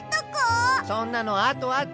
そんなのあとあと！